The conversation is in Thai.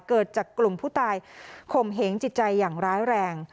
เกิดจากกลุ่มผู้ตายข่มเหงจิตใจอย่างร้ายแรง